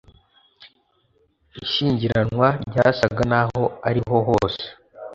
Ishyingiranwa ryasaga n aho ariho hose